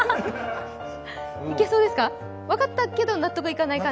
いけそうですか、分かったけど納得いかない感じ？